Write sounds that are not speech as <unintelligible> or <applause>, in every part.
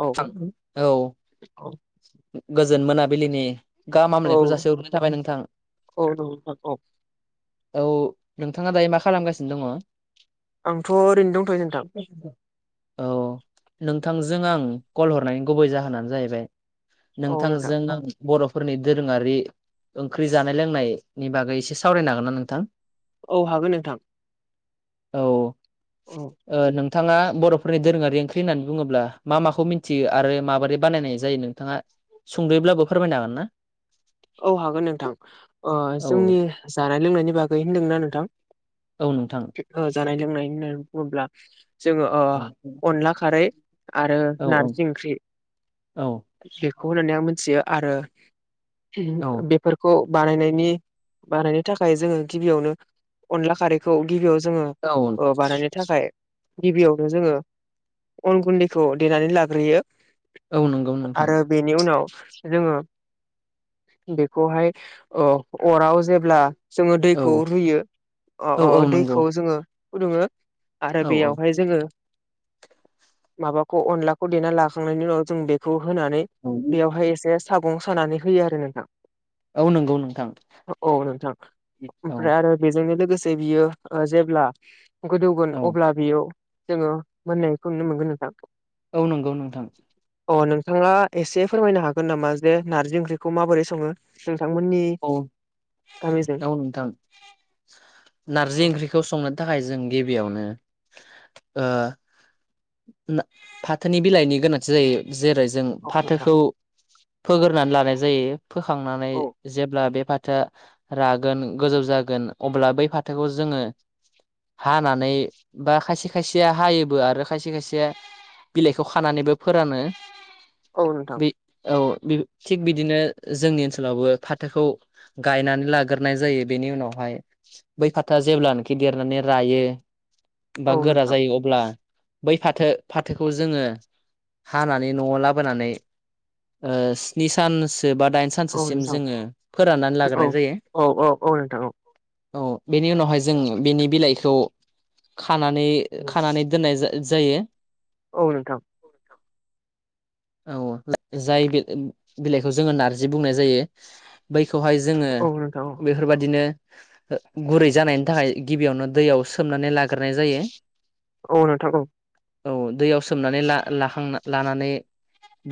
औ थां औ। औ गोजोन मोनाबिलिनि औ गाहामहामलायनायखौ जासि हरग्रोनाय थाबाय नोंथां। <unintelligible> औ नोंथाङा दायो मा खालामगासिनो दङ। आंथ' ओरैनो दंथ'यो नोंथां। औ नोंथांजों आं कल हरनायनि गुबै जाहोनानो जाहैबाय। औ नोंथां नोंथांजों आं बर'। फोरनि दोरोङारि ओंख्रि जानाय लोंनायनि बागै एसे सावरायनो हागोन ना नोंथां। औ हागोन नोंथां। औ औ ओ नों। थाङा बर'फोरनि दोरोङारि ओंख्रि होननानै बुङोब्ला मा माखौ मिथियो आरो माबोरै बानायनाय जायो नों। थाङा सुंदुयोब्लाबो फोरमायनो हागोन ना। औ हागोन नोंथां ओ औ जोंनि जानाय लोंनायनि बागै होनदोंना नोंथां। औ नोंथां ओ जानाय लोंनाय होननानै बुङोब्ला। जोङो ओ औ अनला खारै। आरो औ नारजि ओंख्रि औ बेखौ होननानै आं। थियो आरो औ बेफोरखौ। बानायनायनि बानायनो थाखाय जोङो गिबियावनो अनला खारैखौ गिबियाव जोङो औ ओ बानायनो थाखाय गिबियावनो जोङो अन गुन्दैखौ देनानै लाग्रोयो। औ नंगौ नोंथां आरो बेनि उनाव जोङो बेखौहाय ओ‌ अराव जेब्ला जोङो औ दैखौ रुयो अ औ औ अ नंगौ दैखौ जोङो फुदुङो आरो औ औ बेयावहाय जोङो माबाखौ अनलाखौ देना लाखांनायनि उनाव जों बेखौ होनानै औ बेयावहाय एसे सागं सानानै होयो आरो नोंथां। औ नंगौ नोंथां औ नोंथां औ ओमफ्राय आरो बेजोंनो लोगो से बियो ओ जेब्ला गोदौगोन औ अब्ला बियाव जोङो मोननायखौ नुनो मोनगोन नोंथां। औ नंगौ नोंथां। अ नोंथाङा एसे फोरमायनो हागोन नामा जे नारजि ओंख्रिखौ माबोरै सङो? नोंथांमोननि औ गामिजों औ नोंथां। नारजि औ ओंख्रिखौ संनो थाखाय जों गिबियावनो ओ ना फाथोनि बिलाइनि गोनांथि जायो जेरै जों औ नोंथां फाथोखौ फोग्रोनानै लानाय जायो फोखांनानै औ जेब्ला बे फा थोआ रागोन गोजौ जागोन अब्ला बै फाथोखौ जोङो हानानै बा खायसे खायसेया हायोबो आरो खायसे खायसेआ बिलाइखौ खानानैबो फोरानो। औ नोंथां। बे औ बे थिग बिदिनो जोंनि ओनसोलावबो फाथोखौ गायनानै लाग्रोनाय जायो। बेनि उनावहा हाय बै फाथोआ जेब्लानाखि रायो बा औ गोरा नोंथां जायो अब्ला बै फाथो फाथोखौ जोङो हानानै न'आव लाबोनानै ओ स्नि सानस बा दाइन औ सानसेसिम नोंथां जोङो फोराननानै औ लाग्रोनाय जायो। औ औ औ नोंथां औ औ बेनि उनावहाय जों बेनि बिलाइखौ खानानै खानानै जा जायो। औ नोंथां। औ जाय बि- बिलाइखौ जोङो नारजि बुंनाय जायो। बै खौहाय जोङो औ नोंथां औ बेफोरबादिनो ओ गुरै जानायनि थाखाय गिबियावनो दैयाव सोमनानै लाग्रोनाय जायो। औ नोंथां औ। औ दैयाव सोमनानै ला-लाखांना लानानै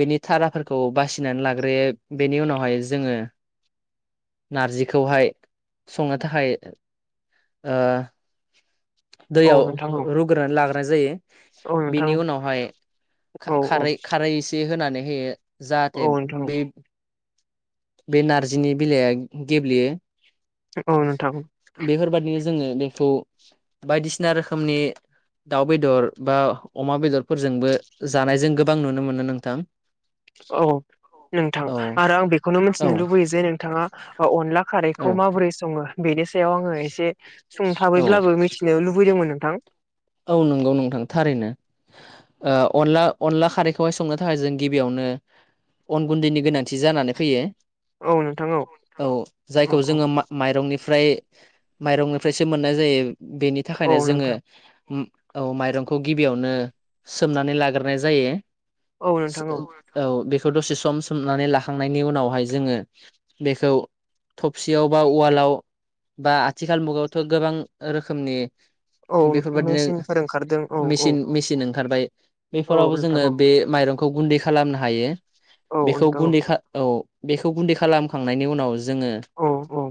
बेनि थाराफोरखौ बासिनानै लाग्रोयो। बेनि उनावहाय जोङो नारजिखौहाय संनो थाखाय ओ औ दैयाव नोंथां औ रु-रुग्रोनानै लाग्रोनाय जायो। औ नोंथां बिनि उनावहाय औ औ खा-खारै इसे होनानै होयो। जाहाथे औ नोंथां बे बे नारजिनि बिलाइया गेब्लेयो। औ नोंथां। बेफोरबादिनो जोङो बेखौ बायदिसिना रोखोमनि दाउ बेदर बा अमा बेदरफोरजोंबो जानायजों गोबां नुनो मोनो नोंथां। औ। नोंथां औ आरो आं बेखौनो औ मिथिनो लुबैयो जे नोंथाङा अनला खारैखौ औ माबोरै सङो? बेनि सायाव आङो एसे औ सुंथाबैब्लाबो मिथिनो लुबैदोंमोन नोंथां। औ नंगौ नोंथां थारैनो। ओ अनला अनला खारैखौहाय संनो थाखाय जों गिबियावनो अन गुन्दैनि गोनांथि जानानै फैयो। औ नोंथां औ औ जायखौ औ जोङो मा-माइरंनिफ्राय माइरंनिफ्रायसो मोननाय जायो। बेनि औ थाखायनो जोङो नोंथां उम औ माइरंखौ गिबियावनो सोमनानै लाग्रोनाय जायो। औ नोंथां औ बेखौ दसे सम सोमनानै ला खांनायनि उनावहाय जोङो बेखौ थबसियाव बा उवालाव बा आथिखाल मुगायावथ' गोबां रोखोमनि औ। बेबादिनो मेचिनफोर ओंखारदों औ औ मेसिन मेसिन ओंखारबाय औ बेफोरावबो नोंथां जोंङो औ बे माय माइरंखौ गुन्दै खालामनो हायो औ बेखौ नोंथां औ गुन्दै खा औ। बेखौ गुन्दै खालाम खांनायनि उनाव जोङो। औ औ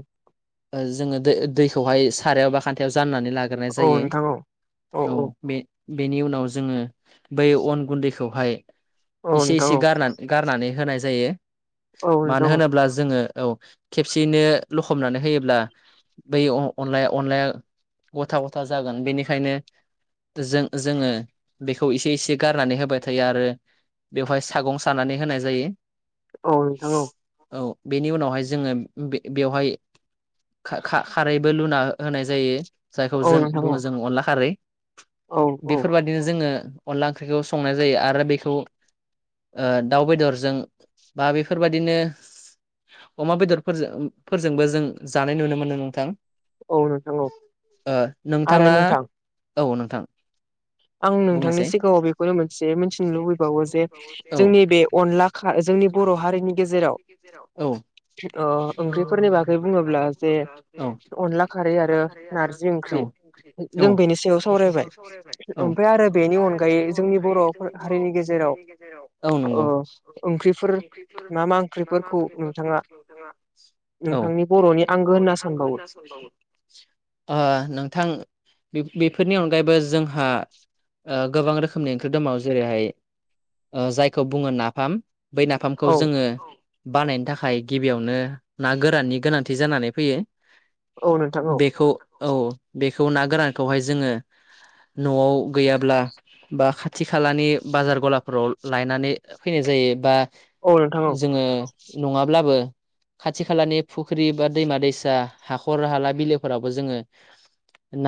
ओ जोङो दैखौहाय सारायाव बा खान्थायाव जाननानै लाग्रोनाय औ जायो। नोंथां औ बे-बेनि उनाव जोङो बै अन गुन्दैखौहाय औ इसे नोंथां इसे औ गारना गारनानै होनाय जायो औ मानो नोंथां होनोब्ला जोङो। औ खेबसेयैनो लखबनानै होयोब्ला बै अ-अनलाया अनलाया। गथा गथा जागोन बेनिखायनो। जों जोङो बेखौ इसे इसे गारनानै होबाय थायो आरो। बेवहाय सागं सानानै होनाय जायो। औ नोंथां औ। औ बेनि उनावहाय जोङो बे-बेवहाय। खा-खा-खा-खारैबो लुना होनाय जायो। जायखौ औ जों नोंथां औ बुङो जों अनला खारै औ औ बेफोर बायदिनो जोङो। अनला ओंख्रिखौ संनाय जायो आरो बेखौ। ओ दाउ बेदरजों बा बेफोर बायदिनो। अमा बेदरफोरजों फोरजोंबो जों जानाय नुनो मोनो नोंथां। औ नोंथां औ। ओ आरो नोंथाङा नोंथां औ नोंथां। <inaudible> आं नोंथांनि बुंनोसै सिगाङाव बेखौनो मोनसे मिथिनो लुबैबावो जे औ जोंनि बे अनला खा जोंनि बर' हारिनि गेजेराव औ ओ ओंख्रिफोरनि बागै बुङोब्ला जे अनला खारै आरो नारजि ओं ओंख्रि औ जों बेनि सायाव सावरायबाय। ओमफ्राय आरो औ बेनि अनगायै जोंनि औ बर' हारिनि नोंगौ गेजेराव ओंख्रिफोर ओ मा ओंख्रिफोर मा मा मा ओंख्रिफोर ओंख्रिफोरखौ नोंथाङा सङो नोंथाङा नोंथांनि बर'नि औ आंगो होनना सानबावो नोंथांनि बर'नि आह नोंथां बे-बेफोरनि अनगायैबो जोंहा ओ गोबां रोखोमनि ओंख्रि दङ जेरैहाय ओ जायखौ बुङो नाफाम। बै नाफामखौ औ जोङो। बानायनो थाखाय गिबियावनो ना गोराननि गोनांथि जानानै फैयो। औ नोंथां औ। बेखौ औ बेखौ ना गोरानखौहाय जोङो न'आव गैयाब्ला। बा खाथि खालानि बाजार गलाफोराव लायनानै फैनाय जायो बा। औ नोंथां औ जोङो नङाब्लाबो। खाथि खालानि फुख्रि बा दैमा दैसा हाखर हाला बिलोफोरावबो जोङो।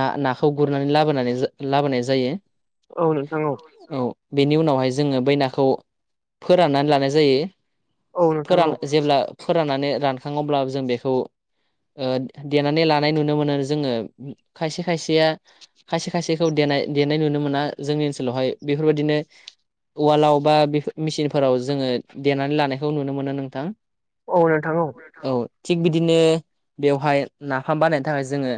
ना-नाखौ गुरनानै लाबोनानै लाबोनाय जायो। औ नोंथां औ। बेनि उनावहाय जोङो बै नाखौ फोराननानै लानाय जायो। औ नोंथां औ फोरान जेब्ला फोर फोराननानै रानखाङो अब्ला जों बेखौ ओ देनानै लानाय नुनो मोनो जोङो। खायसे खायसेया खायसे खायसेखौ। देनाय देनाय नुनो मोना जोंनि ओनसोलावहाय बेफोर बायदिनो। उवालाव बा बेफोर मेसिनफोराव जोङो देनानै लानायखौ नुनो मोनो नोंथां औ नोंथां औ थिग बिदिनो बेवहाय नाफाम बानायनो थाखाय जोङो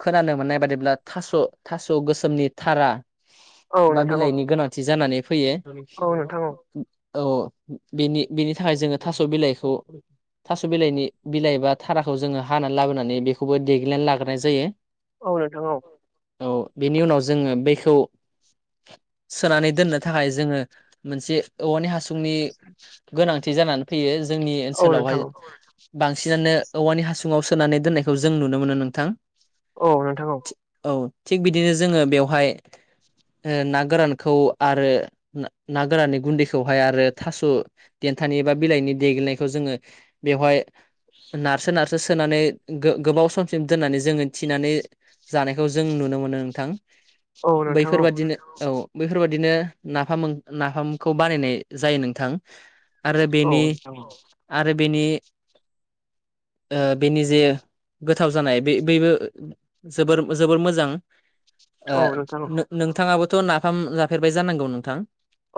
खोनानो मोननाय बादिब्ला थास' थास' गोसोमनि थारा औ बा नोंथां औ बिलाइनि गोनांथि जानानै औ फैयो। नोंथां औ औ बेनि बेनि थाखाय जोङो थास' बिलाइखौ थास' बिलाइनि बिलाइ एबा थाराखौ जोङो हानानै लाबोनानै बेखौबो देग्लिनानै लाग्रोनाय जायो। औ नोंथां औ औ बेनि उनाव जोङो बेखौ सोनानै दोननो थाखाय जोङो मोनसे औवानि हासुंनि गोनांथि जानानै फैयो जोंनि औ नोंथां ओनसोलावहाय औ बांसिनानो औवानि हासुङाव सोनानै दोननायखौ जों नुनो मोनो नोंथां औ नोंथां औ। औ थिग बिदिनो जोङो बेयावहाय ना गोरानखौ आरो ना गोराननि गुन्दैखौहाय आरो थास' देन थानि एबा बिलाइनि देग्लियनायखौ जोङो बेवहाय नारसो नारसो सोनानै गोबाव समसिम दोननानै जोङो थिनानै जानायखौ जों नुनो मोनो नोंथां। औ नोंथां औ बैफोरबादिनो औ बैफोरबादिनो नाफाम नाफामखौ बानायनाय जायो नोंथां आरो औ बेनि नोंथां आरो बेनि बेनि जे गोथाव जानाय बे बैबो जोबोर जोबोर मोजां औ नोंथां नोंथाङाबो थ' नाफाम जाफेरबाय जानांगौ नोंथां?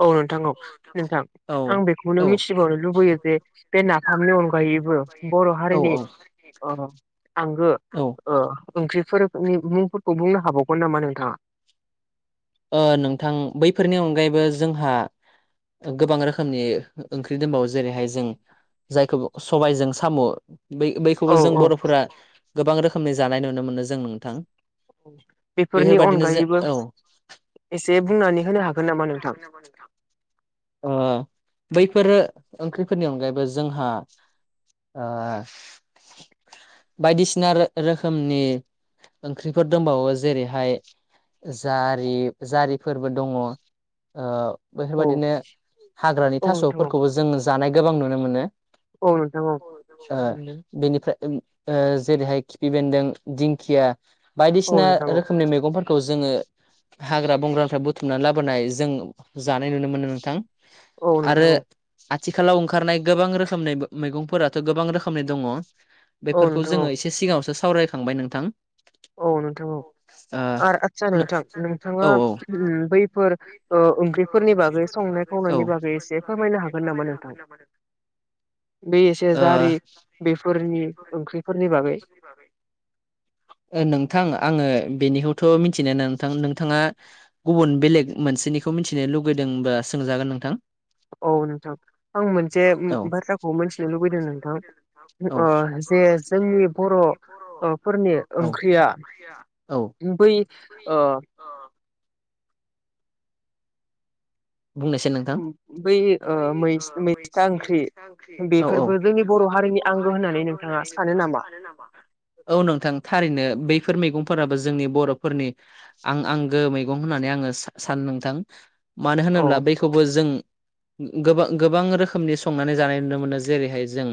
औ नोंथां औ नोंथां औ आं बेखौनो औ मिथिबावनो लुबैयो जे बे ना मोनथामनि अनगायैबो बर' औ हारिनि आंगो औ ओंख्रिफोरनि मुंफोरखौ बुंनो हाबावगोन नामा नोंथाङा? नोंथां बैफोरनि अनगायैबो जोंहा गोबां रोखोमनि ओंख्रि दंबावो जेरैहाय जों जायखौ सबायजों साम' बै औ बैखौबो जों औ बर'फोरा गोबां रोखोमनि जानाय नुनो मोनो जों नोंथां। बेफोरनि बेफोरबादिनो जों अनगायैबो औ ह <inaudible> एसे बुंनानै होनो हागोन नामा नोंथां <inaudible> बैफोर ओंख्रिफोरनि अनगायैबो जोंहा बायदिसिना रो-रोखोमनि ओंख्रिफोर दंबावो जेरैहाय जा ओै जारिफोरबो दङ ओ औ बेफोरबायदिनो हाग्रानि औ नोंथां औ थास'फोरखौबो जों जानाय गोबां नुनो मोनो। औ नोंथां औ। ओ बेनिफ्राय जेरैहाय खिफि बेन्दों दिंखिया औ बायदिसिना नोंथां औ रोखोमनि मैगंफोरखौ जोङो हाग्रा बंग्रानिफ्राय बुथुमनानै लाबोनाय जों जानाय नुनो मोनो नोंथां औ आरो नोंथां औ। आथिखालाव ओंखारनाय गोबां रोखोमनि मैगंफोराथ' गोबां रोखोमनि दङ। औ बेफोरखौ नोंथां औ जोङो एसे सिगाङावसो सावरायखांबाय नोंथां। औ नोंथां औ आरो आतसा नोंथां नोंथाङा ओ औ बैफोर औ ओंख्रिफोरनि बागै संनाय खावनायनि बागै एसे फोरमायनो हागोन नामा नोंथां <inaudible> बे एसे जारि बेफोरनि ओंख्रिफोरनि बागै <inaudible> नोंथां आङो बेनिखौथ' मिथिनाया नोंथां नोंथाङा गुबुन बेलेग मोनसेनिखौ मिथिनो लुगैदोंबा सोंजागोन नोंथां? औ नोंथां आं मोनसे बाथ्राखौ मिथिनो लुबैदों नोंथां नोंथां ओ जे जोंनि बर'फोरनि ओंख्रिया बै फै ओ आ बुंनोसै नोंथां बै ओ ब मैस-मैस्था ओंख्रि ओंख्रि औ औ बर' हारिनि आंगो होना नोंथां आ सानो नामा औ नोंथां थारैनो बैफोर मै फोराबो जोंनि बर'फोरनि आं आंगो मैगं होननानै आङो सान नोंथां मानो औ होनोब्ला बैखौबो जों गो गोबां रोखोमनि संनानै जानाय नुनो मोनो जेरैहाय जों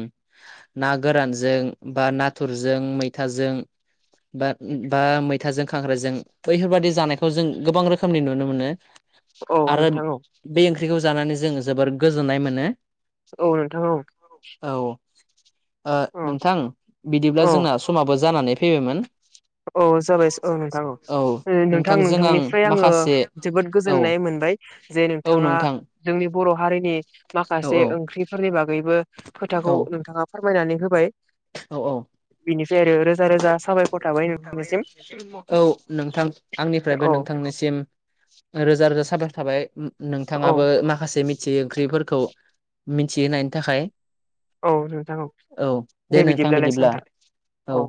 ना गोरान जों जों बा नाथुरजों मैथाजों बा बा मैथाजों खांख्राजजों बैफोरबादि जानायखौ जों गोबां रोखोमनि नुनो मोनो औ आरो नोंथां औ बे ओंख्रिखौ जानानै जोंङो जोबोर गोजोननाय मोनो औ नोंथां औ औ नोंथां बिदिब्ला औ जोंना समाबो जानानै फैबायमोन औ जाबाय औ नोंथां औ नोंथां नोंथांजों आं नोंथांनिफ्राय आङो माखासे जोबोद औ गोजोननाय मोनबाय जे औ नोंथाङा नोंथां जोंनि बर' हारिनि औ माखासे ओंख्रिफोरनि बाबै बैबो खोथाखौ औ नोंथाङा फोरमायनानै होबाय औ बिनिफ्राय आरो रोजा रोजा साबायखर थाबाय नों औ नोंथां आंनिफ्रायबो औ नोंथांनिसिम रोजा रोजा साबफाय थाबाय औ नोंथाङाबो माखासे मिथियै ओंख्रिफोरखौ मिथिहोनायनि थाखाय औ नोंथां औ दे बिदिब्लालाय नोंथां औ